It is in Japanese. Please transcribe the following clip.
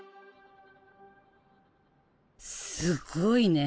すごいね。